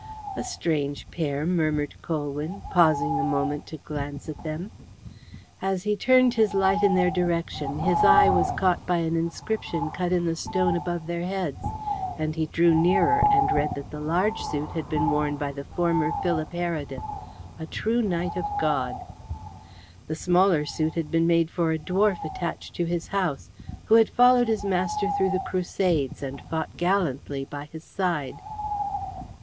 "A strange pair," murmured Colwyn, pausing a moment to glance at them. As he turned his light in their direction his eye was caught by an inscription cut in the stone above their heads, and he drew nearer and read that the large suit had been worn by the former Philip Heredith, "A True Knight of God." The smaller suit had been made for a dwarf attached to his house, who had followed his master through the Crusades, and fought gallantly by his side.